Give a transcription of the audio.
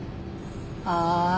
ああ。